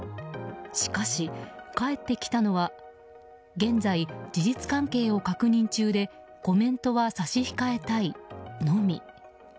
しかし、返ってきたのは現在、事実関係を確認中でコメントは差し控えたいのみ。